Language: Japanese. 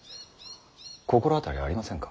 心当たりありませんか。